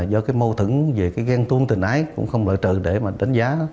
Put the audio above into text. do cái mâu thửng về cái ghen tuôn tình ái cũng không loại trừ để mà đánh giá